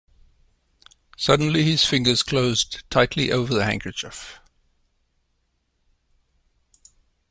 Suddenly his fingers closed tightly over the handkerchief.